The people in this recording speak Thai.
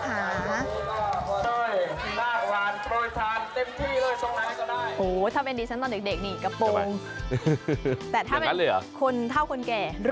ก็ช่วยร่างวันข้างโผล่ทางเต็มที่เลยส่องอะไรก็ได้